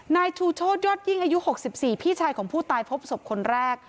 นายธูเชฟยอดยิ่งอายุหกสิบสี่พี่ชายของผู้ตายพบศพคนแรก